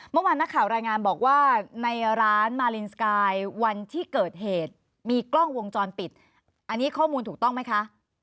เมื่อวานนักข่าวรายงานบอกว่าในร้านมารินสกายวันที่เกิดเหตุมีกล้องวงจรปิดอันนี้ข้อมูลถูกต้องไหมคะ